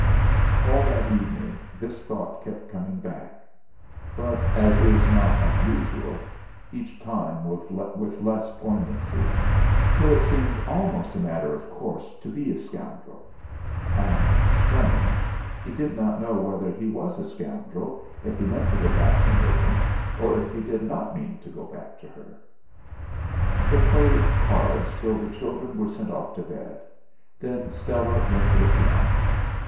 All that evening this thought kept coming back; but, as is not unusual, each time with less poignancy, till it seemed almost a matter of course to be a scoundrel. And strange! he did not know whether he was a scoundrel if he meant to go back to Megan, or if he did not mean to go back to her. They played cards till the children were sent off to bed; then Stella went to the piano.